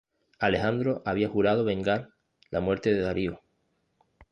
Alejandro había jurado vengar la muerte de Darío.